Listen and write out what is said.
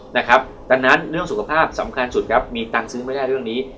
ดังนั้นเรื่องสุขภาพสำคัญสุดครับมีตังค์ซื้อไม่ได้เรื่องนี้